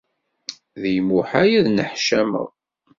D lmuḥal ad nneḥcameɣ.